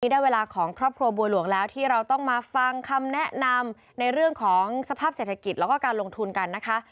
ได้เวลาของครอบครัวบัวหลวงแล้วที่เราต้องมาฟังคำแนะนำในเรื่องของสภาพเศรษฐกิจแล้วก็การลงทุนกันนะคะ